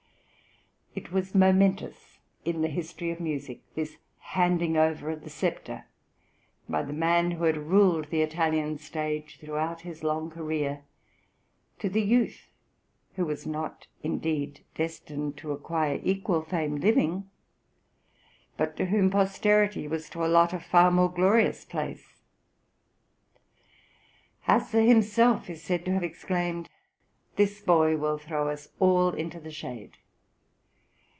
It was momentous in the history of music, this handing over of the sceptre by the man who had ruled the Italian stage throughout his long career to the youth, who was not indeed destined to acquire equal fame living, but to whom posterity was to allot a far more glorious place. Hasse himself is said to have exclaimed: "This boy will throw us all into the shade."